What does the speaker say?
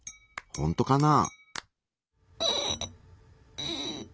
ほんとかな？